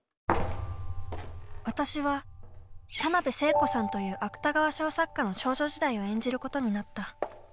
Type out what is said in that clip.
私は田辺聖子さんという芥川賞作家の少女時代を演じることになった。